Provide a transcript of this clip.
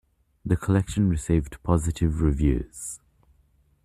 The collection received positive reviews.